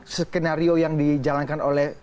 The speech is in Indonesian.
stereo yang dijalankan oleh